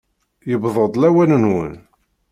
Yewweḍ-d lawan-nwen!